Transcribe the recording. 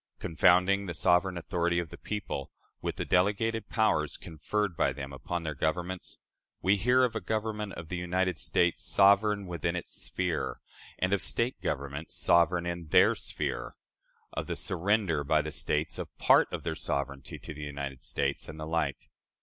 Confounding the sovereign authority of the people with the delegated powers conferred by them upon their governments, we hear of a Government of the United States "sovereign within its sphere," and of State governments "sovereign in their sphere"; of the surrender by the States of part of their sovereignty to the United States, and the like.